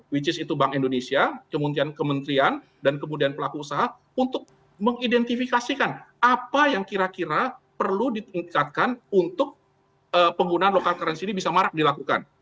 which is itu bank indonesia kemudian kementerian dan kemudian pelaku usaha untuk mengidentifikasikan apa yang kira kira perlu ditingkatkan untuk penggunaan local currency ini bisa marak dilakukan